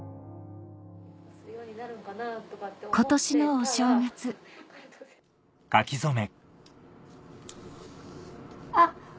今年のお正月あっ！